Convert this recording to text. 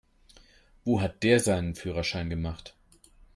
Wo hat der seinen Führerschein gemacht?